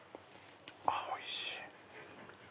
あおいしい。